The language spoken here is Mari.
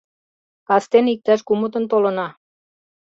— Кастене иктаж кумытын толына.